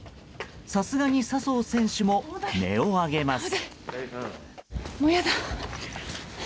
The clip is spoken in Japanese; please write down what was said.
さすがに笹生選手も音を上げます。